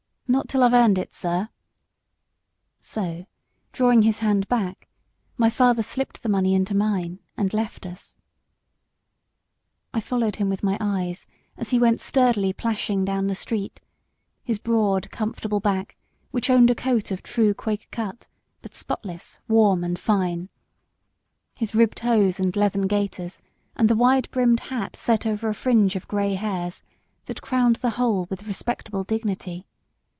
"Not till I've earned it, sir." So, drawing his hand back, my father slipped the money into mine, and left us. I followed him with my eyes, as he went sturdily plashing down the street; his broad, comfortable back, which owned a coat of true Quaker cut, but spotless, warm, and fine; his ribbed hose and leathern gaiters, and the wide brimmed hat set over a fringe of grey hairs, that crowned the whole with respectable dignity.